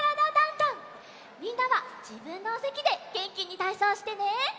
みんなはじぶんのおせきでげんきにたいそうしてね。